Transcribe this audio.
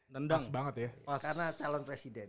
pas banget ya karena calon presiden